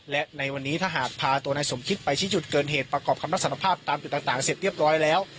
และในวันนี้ถ้าหากพาตัวนายสมคิดไปชี้จุดเกินเหตุประกอบคำรับสารภาพตามจุดต่างเสร็จเรียบร้อยแล้ว